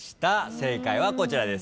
正解はこちらです。